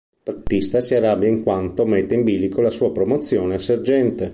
Batista si arrabbia in quanto mette in bilico la sua promozione a sergente.